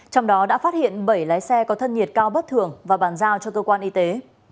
trong đó đã phát hiện bảy lái xe có thân nhiệt cao bất thường và bàn giao cho cơ quan y tế